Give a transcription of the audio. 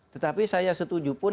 tetapi saya setuju pun